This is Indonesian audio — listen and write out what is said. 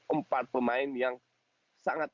empat pemain yang sangat